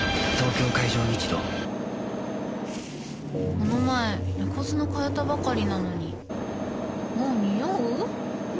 この前猫砂替えたばかりなのにもうニオう？